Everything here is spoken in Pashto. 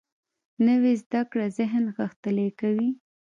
نوې زده کړه ذهن غښتلی کوي